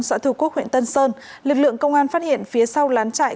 xã thư quốc huyện tân sơn lực lượng công an phát hiện phía sau lán trại